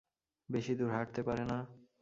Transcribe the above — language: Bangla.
বেশি দূর হাঁটতে পারে না।